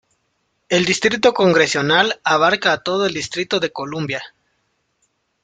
El distrito congresional abarca a todo el Distrito de Columbia.